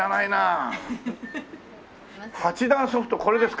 ８段ソフトこれですか。